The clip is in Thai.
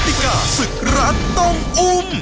ติกาศึกรักต้องอุ้ม